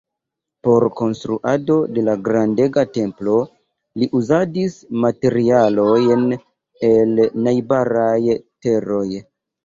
Por konstruado de grandega templo li uzadis materialojn el najbaraj teroj.